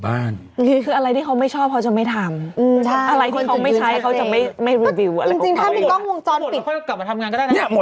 มันไปกลับมาทำงานก็ได้นะ